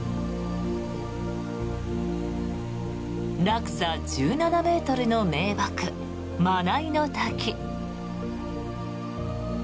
落差１７ｍの名瀑、真名井の滝。